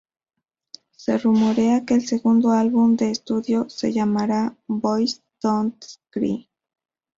Se rumorea que el segundo álbum de estudio se llamará "Boys Don't Cry".